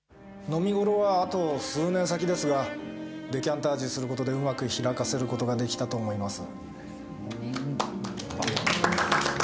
飲み頃はあと数年先ですがデカンタージュする事でうまく開かせる事ができたと思います。